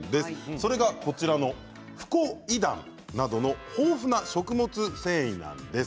それがこちらのフコイダンなどの豊富な食物繊維なんです。